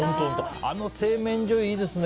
あの製麺所、いいですね。